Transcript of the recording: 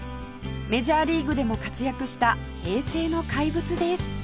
メジャーリーグでも活躍した平成の怪物です